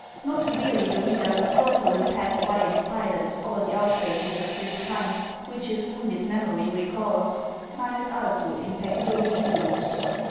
Not to weary the reader, the author will pass by in silence all the outrages of this kind which his wounded memory recalls, —" Manet alto in pectore vulnus."